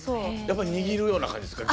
やっぱ握るような感じですか？